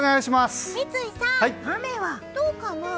三井さん、雨はどうかな？